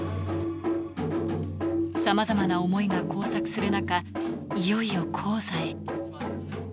さまざまな思いが交錯する中、いよいよ高座へ。